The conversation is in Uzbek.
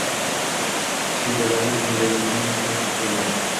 Kichkintoylarni dunyodagi hamma narsa qiziqtiradi